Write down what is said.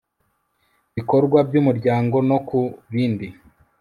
bikorwa by umuryango no ku bindi